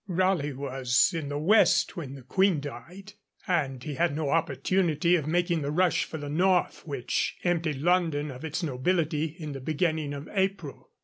Raleigh was in the west when the Queen died, and he had no opportunity of making the rush for the north which emptied London of its nobility in the beginning of April.